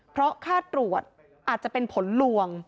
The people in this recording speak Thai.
เพราะค่าตรวจอาจจะเป็นผลลวง